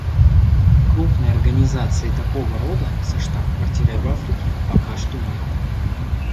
Крупной организации такого рода со штаб-квартирой в Африке пока что нет.